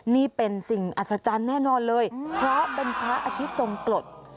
นี่เป็นสิ่งอัศจรรย์แน่นอนเลยเพราะเป็นพระอาทิตย์ทรงกรด